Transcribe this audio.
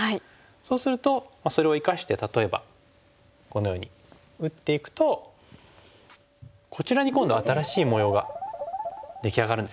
そうするとそれを生かして例えばこのように打っていくとこちらに今度は新しい模様が出来上がるんですよね。